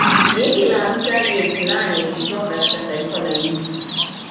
Jeshi la askari elfu nane kutoka katika taifa la India